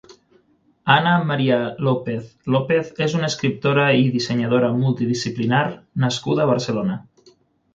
Anna María López López és una escriptora i dissenyadora multidisciplinar nascuda a Barcelona.